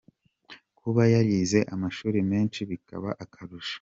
Kuba yarize amashuri menshi bikaba akarusho.